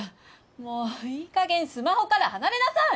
もういいかげんスマホから離れなさい。